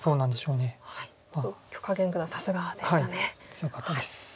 強かったです。